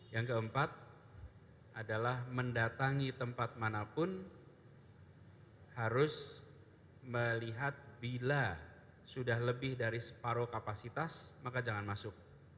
yang keempat adalah mendatangi tempat manapun harus melihat bila sudah lebih dari separuh kapasitas maka jangan masuk